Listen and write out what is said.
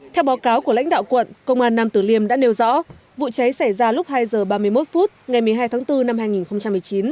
theo báo cáo của lãnh đạo quận công an nam tử liêm đã nêu rõ vụ cháy xảy ra lúc hai h ba mươi một phút ngày một mươi hai tháng bốn năm hai nghìn một mươi chín